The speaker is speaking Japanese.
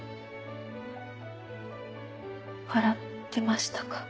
笑ってましたか？